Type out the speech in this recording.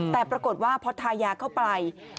แต่ปรากฏว่าพอทายาเข้าไป